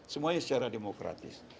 semuanya secara demokratis